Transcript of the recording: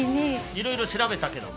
いろいろ調べたけど？